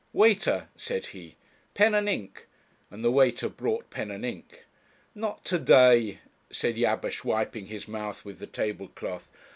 'Waiter,' said he, 'pen and ink,' and the waiter brought pen and ink. 'Not to day,' said Jabesh, wiping his mouth with the table cloth.